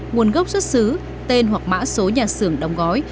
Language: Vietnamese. nguồn gốc xuất xứ tên hoặc mã số nhà xưởng đóng gói